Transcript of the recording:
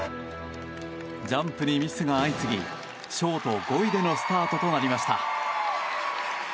ジャンプにミスが相次ぎショート５位でのスタートとなりました。